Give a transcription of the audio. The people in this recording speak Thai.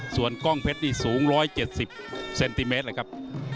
ส่วนกล้องเพชรนี่สูง๑๗๐เซนติเมตรเลยครับ